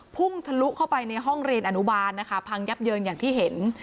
พุ่งทะลุเข้าไปในห้องเรียนอนุบาลนะคะพังยับเยินอย่างที่เห็น